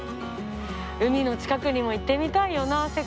海の近くにも行ってみたいよなあ